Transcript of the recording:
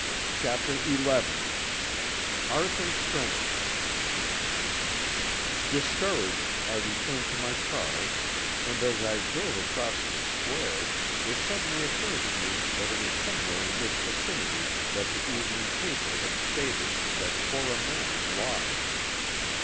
CHAPTER XI ARTHUR TRENTON Discouraged I returned to my car and as I drove across the Square it suddenly occurred to me that it was somewhere in this vicinity that the evening paper had stated that Cora Manning lodged.